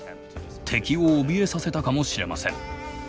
敵をおびえさせたかもしれません。